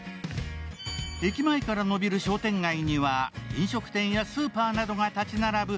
駅前から伸びる商店街には、飲食店やスーパーなどが立ち並ぶ